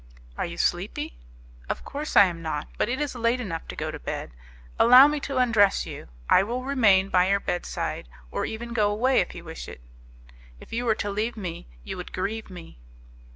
"Are you sleepy?" "Of course I am not; but it is late enough to go to bed. Allow me to undress you; I will remain by your bedside, or even go away if you wish it." "If you were to leave me, you would grieve me."